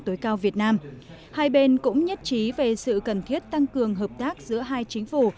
tối cao việt nam hai bên cũng nhất trí về sự cần thiết tăng cường hợp tác giữa hai chính phủ